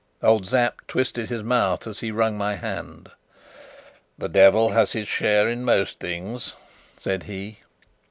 Old Sapt twisted his mouth as he wrung my hand. "The devil has his share in most things," said he.